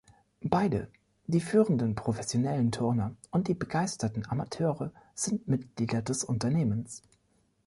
Beide, die führenden professionellen Turner und die begeisterten Amateure sind Mitlieder des Unternehmens.